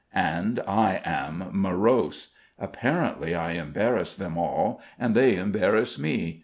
And I am morose. Apparently I embarrass them all and they embarrass me.